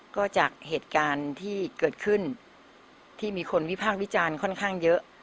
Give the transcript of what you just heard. ก็จากเหตุการณ์ที่เกิดขึ้นที่มีคนวิพากษ์วิจารณ์ค่อนข้างเยอะ